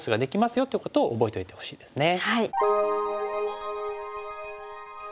よってことを覚えておいてほしいですね。